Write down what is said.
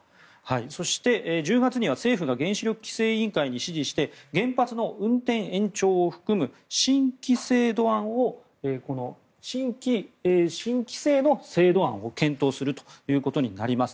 そして、１０月には政府が原子力規制委員会に指示して原発の運転延長を含む新規制の制度案を検討するということになります。